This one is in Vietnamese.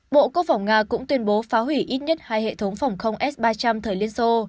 bộ quốc phòng nga cũng tuyên bố phá hủy ít nhất hai hệ thống phòng không s ba trăm linh thời liên xô